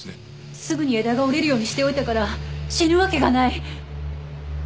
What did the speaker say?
すぐに枝が折れるようにしておいたから死ぬわけがない！